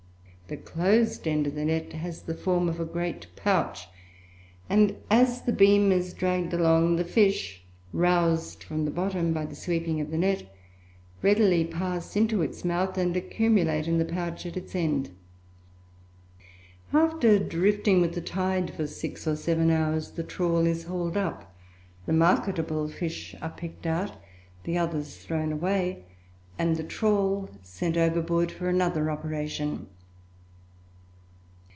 The closed end of the net has the form of a great pouch; and, as the beam is dragged along, the fish, roused from the bottom by the sweeping of the net, readily pass into its mouth and accumulate in the pouch at its end. After drifting with the tide for six or seven hours the trawl is hauled up, the marketable fish are picked out, the others thrown away, and the trawl sent overboard for another operation.